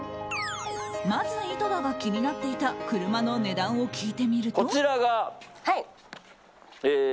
まず井戸田が気になっていた車の値段を聞いてみると。